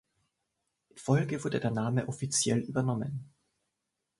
In Folge wurde der Name offiziell übernommen.